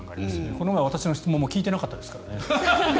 この前も私の質問聞いてなかったですから。